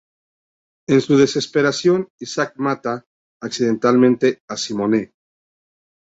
En su desesperación, Isaac mata, accidentalmente, a Simone.